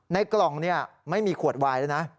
ในกล่องนี้ไม่มีขวดไวล์แล้วนะ